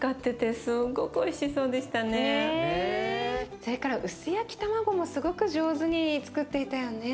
それから薄焼き卵もすごく上手につくっていたよね。